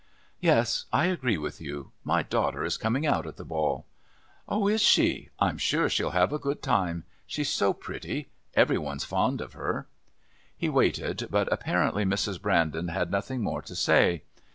"Yes, I agree with you. My daughter is coming out at the Ball." "Oh, is she? I'm sure she'll have a good time. She's so pretty. Every one's fond of her." He waited, but apparently Mrs. Brandon had nothing more to say.